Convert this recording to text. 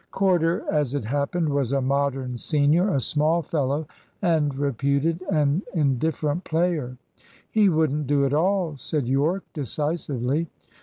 Corder, as it happened, was a Modern senior, a small fellow, and reputed an indifferent player. "He wouldn't do at all," said Yorke, decisively.